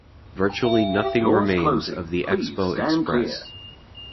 Virtually nothing remains of the Expo Express.